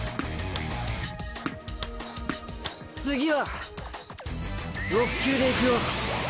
次は６球でいくよ！